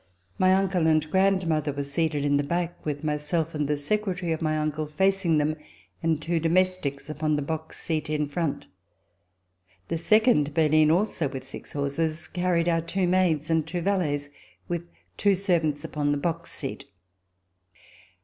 My uncle and my grandmother were seated in the back, with myself and the secretary of my uncle facing them, and two domestics upon the box seat in front. The second berli7ie, also with six horses, carried our two maids and two valets, with two servants upon the box seat.